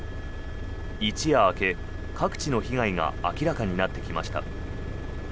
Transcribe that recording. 一夜明け、各地の被害が明らかになってきました。